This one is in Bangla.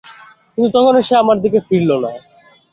কিন্তু তখনো সে আমার দিকে ফিরল না।